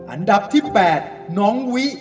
อันดับที่๘น้องวิ